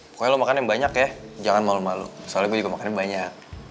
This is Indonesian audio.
pokoknya lo makan yang banyak ya jangan malu malu soalnya gue juga makannya banyak